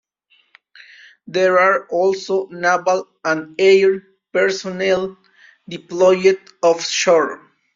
There are also naval and air personnel deployed offshore.